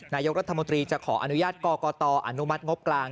นายกรัฐมนตรีจะขออนุญาตกรกตอนุมัติงบกลาง